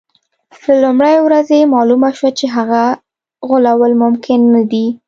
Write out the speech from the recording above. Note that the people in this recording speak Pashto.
له لومړۍ ورځې معلومه شوه چې هغه غولول ممکن نه دي.